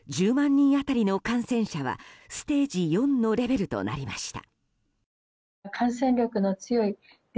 人当たりの感染者はステージ４のレベルとなりました。